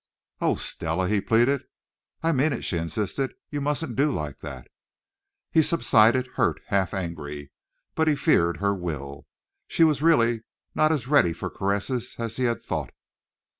"Oh, Stella!" he pleaded. "I mean it," she insisted. "You mustn't do like that." He subsided, hurt, half angry. But he feared her will. She was really not as ready for caresses as he had thought.